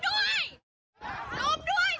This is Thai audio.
เฮ้ยเฮ้ยเฮ้ยเฮ้ยเฮ้ยเฮ้ย